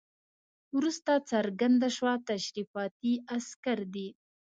وروسته څرګنده شوه تشریفاتي عسکر دي.